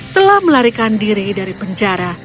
telah melarikan diri dari penjara